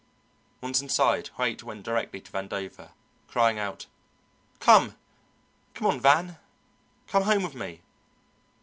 Once inside Haight went directly to Vandover, crying out: "Come! come on, Van! come home with me."